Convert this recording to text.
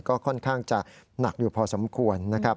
ก็ค่อนข้างจะหนักอยู่พอสมควรนะครับ